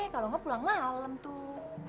kalau enggak pulang malam tuh